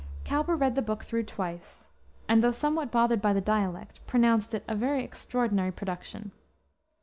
Cowper read the book through twice, and, though somewhat bothered by the dialect, pronounced it a "very extraordinary production."